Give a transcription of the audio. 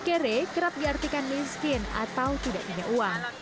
kere kerap diartikan miskin atau tidak punya uang